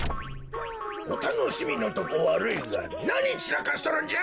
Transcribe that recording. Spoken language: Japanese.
おたのしみのとこわるいがなにちらかしとるんじゃ！